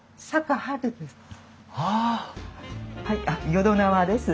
淀縄です。